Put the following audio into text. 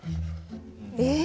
えっ？